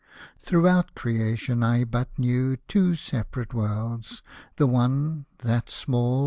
Throughout creation I but knew Two separate worlds — the one^ that small.